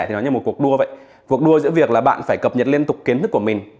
thì nó như một cuộc đua vậy cuộc đua giữa việc là bạn phải cập nhật liên tục kiến thức của mình